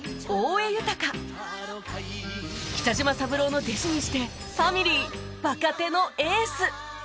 北島三郎の弟子にしてファミリー若手のエース